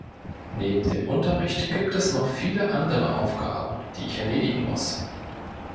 Neben dem Unterricht gibt es noch viele andere Aufgaben, die ich erledigen muss.